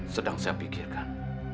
sedang saya pikirkan